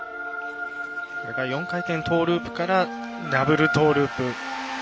４回転トーループからダブルトーループ。